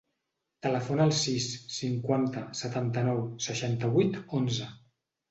Telefona al sis, cinquanta, setanta-nou, seixanta-vuit, onze.